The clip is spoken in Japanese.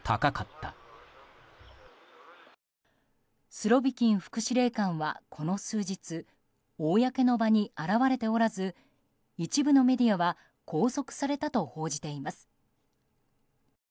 スロビキン副司令官はこの数日公の場に現れておらず一部のメディアは拘束されたと報じています。